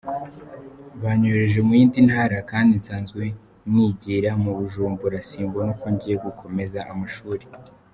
Banyohereje mu yindi ntara kandi nsanzwe nigira mu Bujumbura, simbona uko ngiye kugomeza amashuri”.